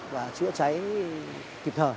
và chữa cháy kịp thời